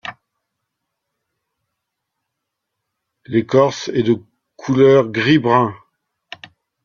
L'écorce est de couleur gris-brun.